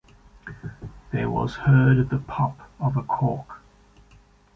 There was heard the pop of a cork.